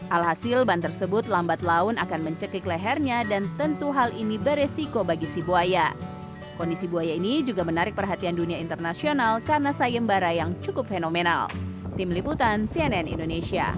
alhasil ban tersebut lambat laun akan mencekikkan